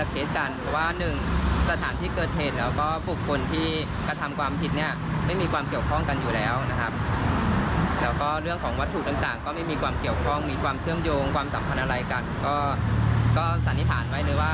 เขาสันนิษฐานไว้ว่าเป็นคนละเคสกัน